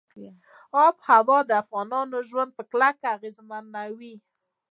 آب وهوا د افغانانو ژوند په کلکه اغېزمنوي.